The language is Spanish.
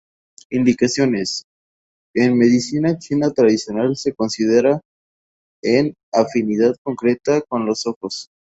Indicaciones: En medicina china tradicional se considera en afinidad concreta con los ojos.